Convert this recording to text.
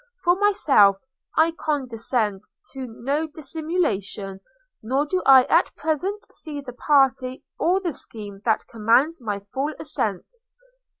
For myself, I condescend to no dissimulation; nor do I at present see the party or the scheme that commands my full assent.